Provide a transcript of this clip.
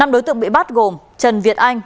năm đối tượng bị bắt gồm trần việt anh